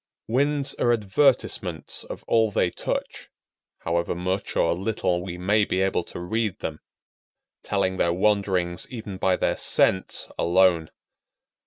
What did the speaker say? Winds are advertisements of all they touch, however much or little we may be able to read them; telling their wanderings even by their scents alone.